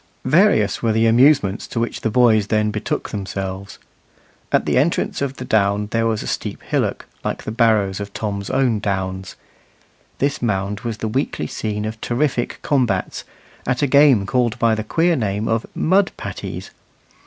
Various were the amusements to which the boys then betook themselves. At the entrance of the down there was a steep hillock, like the barrows of Tom's own downs. This mound was the weekly scene of terrific combats, at a game called by the queer name of "mud patties."